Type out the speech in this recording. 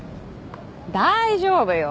大丈夫よ。